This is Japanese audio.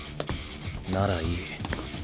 ならいい。